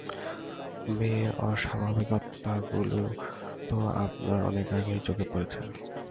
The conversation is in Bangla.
মেয়ের অস্বাভাবিকাতাগুলি তো আপনার অনেক আগেই চোখে পড়েছে।